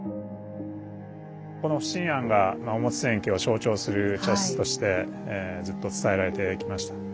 この不審菴が表千家を象徴する茶室としてずっと伝えられてきました。